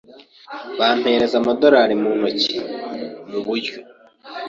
bampereza amadorari mu ntoki mu buryo